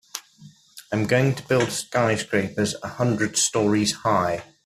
I'm going to build skyscrapers a hundred stories high.